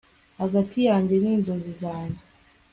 Hagati yanjye ninzozi zanjye